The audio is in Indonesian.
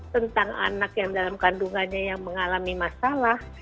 tentang anak yang dalam kandungannya yang mengalami masalah